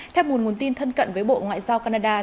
theo một nguồn tin thân cận với bộ ngoại giao canada